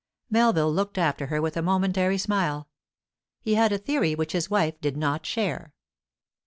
Melville looked after her with a momentary smile. He had a theory which his wife did not share.